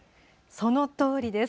そのとおりです。